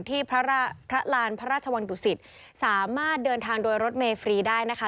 ที่พระลานพระราชวังดุสิตสามารถเดินทางโดยรถเมฟรีได้นะคะ